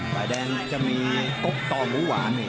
ฝ่ายแดงจะมีกบต่อหมูหวาน